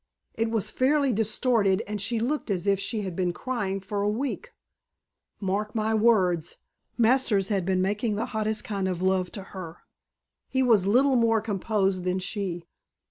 "It was fairly distorted and she looked as if she had been crying for a week. Mark my words, Masters had been making the hottest kind of love to her he was little more composed than she.